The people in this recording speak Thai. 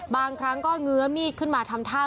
บางครั้งก็เงื้อมีดขึ้นมาทำท่า